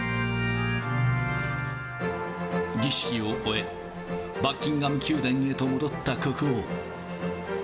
儀式を終え、バッキンガム宮殿へと戻った国王。